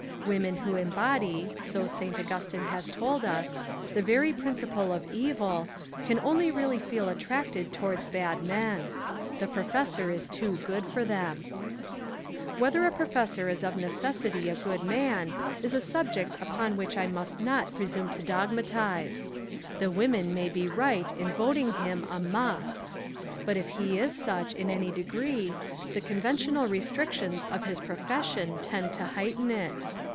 Women who embody, so St. Augustine has told us, the very principle of evil, can only really feel attracted towards bad men. The profes sor is too good for them. Whether a professor is of necessity a good 30 The Apology of a Professor man, is a subject upon which I must not pre sume to dogmatise. The women may be right in voting him a "muff." But if he is such in any degree, the conventional restrictions of his profession tend to heighten it.